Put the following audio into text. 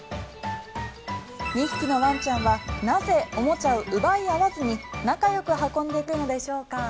２匹のワンちゃんはなぜ、おもちゃを奪い合わずに仲よく運んでくるのでしょうか。